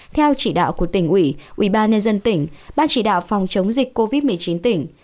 theo chỉ đạo của tỉnh ủy ubnd tỉnh ban chỉ đạo phòng chống dịch covid một mươi chín tỉnh